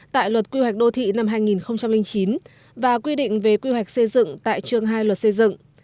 tại luật quy hoạch đô thị năm hai nghìn chín và quy định về quy hoạch xây dựng tại trường hai luật xây dựng